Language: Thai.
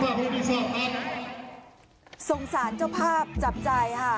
เสร็จค่ะคุณดีสตรากันครับทั้งสามเจ้าภาพจับใจฮะ